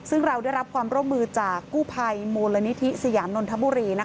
ซึ่งเราได้รับความร่วมมือจากกู้ภัยมูลนิธิสยามนนทบุรี